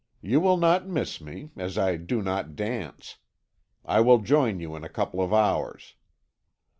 You will not miss me, as I do not dance. I will join you in a couple of hours."